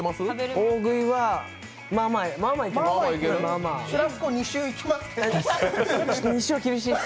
大食いは、まあまあいけます